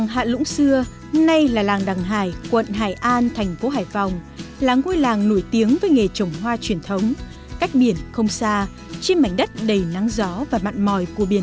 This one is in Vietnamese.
hãy đăng ký kênh để ủng hộ kênh của chúng mình nhé